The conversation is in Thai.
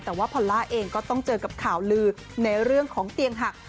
แต่ว่าพอลล่าเองก็ต้องเจอกับข่าวลือในเรื่องของเตียงหัก